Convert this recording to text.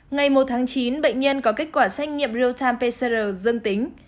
ngày một tháng chín bệnh nhân có kết quả xét nghiệm real time pcr dương tính